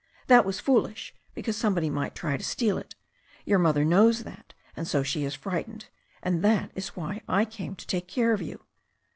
That was foolish, because somebody might try to steal it. Your mother knows that, and so she is frightened. And that is why I came to take care of you."